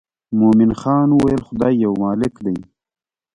مومن خان وویل خدای یو مالک دی.